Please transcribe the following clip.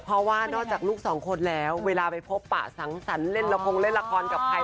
เพราะว่านอกจากลูกสองคนแล้วเวลาไปพบปะสังสรรค์เล่นละครเล่นละครกับใคร